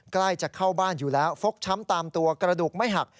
ใกล้จะเข้าบ้านอยู่แล้วฟกช้ำตามตัวกระดูกไม่หัก